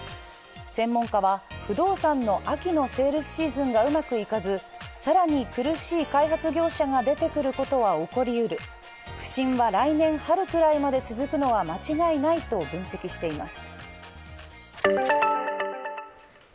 専門家は、不動産の秋のセールスシーズンがうまくいかず更に苦しい開発業者が出てくることは起こりうる、不振は来年春ぐらいまで続くのは間違いないと分析しています。